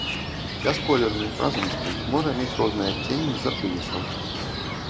Бясколерны, празрысты, можа мець розныя адценні з-за прымесяў.